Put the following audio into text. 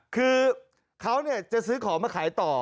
คือเขาจะซื้อของมาขายต่อ